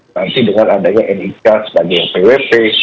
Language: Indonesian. nanti dengan adanya nica sebagai yang pwp